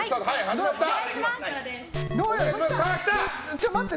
ちょっと待って。